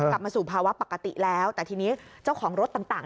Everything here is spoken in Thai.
กลับมาสู่ภาวะปกติแล้วแต่ทีนี้เจ้าของรถต่าง